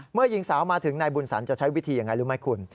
เมื่อหญิงสาวมาถึงนายบุญสันจะใช้วิธีอย่างไรรู้ไหมคุณ